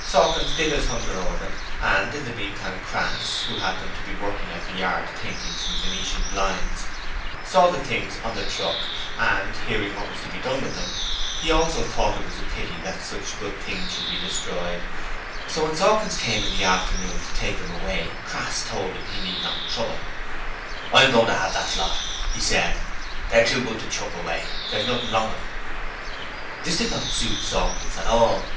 Sawkins did as Hunter ordered, and in the meantime Crass, who happened to be working at the yard painting some venetian blinds, saw the things on the truck, and, hearing what was to be done with them, he also thought it was a pity that such good things should be destroyed: so when Sawkins came in the afternoon to take them away Crass told him he need not trouble; 'I'm goin' to 'ave that lot, he said; 'they're too good to chuck away; there's nothing wrong with 'em.' This did not suit Sawkins at all.